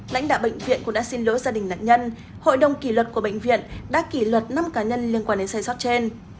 lãnh đạo bệnh viện cũng đã xin lỗi gia đình nạn nhân hội đồng kỷ luật của bệnh viện đã kỷ luật năm cá nhân liên quan đến sai sót trên